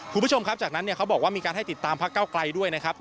คุณผู้ชมครับจากนั้นเนี่ยเขาบอกว่ามีการให้ติดตามพักเก้าไกลด้วยนะครับ